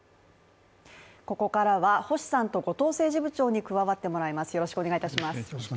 ここからは星さんと後藤政治部長に加わってもらいます。